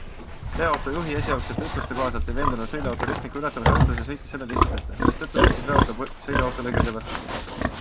Veoauto juhi esialgsete ütluste kohaselt ei veendunud sõiduauto ristmiku ületamise ohutuses ja sõitis sellele lihtsalt ette, mistõttu sõitis veoauto sõiduautole külje pealt sisse.